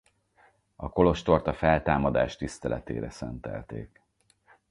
A kolostort a Feltámadás tiszteletére szentelték.